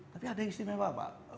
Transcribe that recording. tapi ada yang istimewa pak